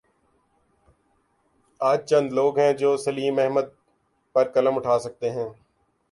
آج چند لوگ ہیں جو سلیم احمد پر قلم اٹھا سکتے ہیں۔